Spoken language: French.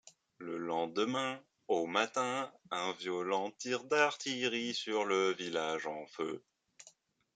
Le lendemain, au matin, un violent tir d'artillerie sur le village en feu.